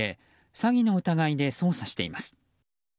詐欺の疑いで捜査しています。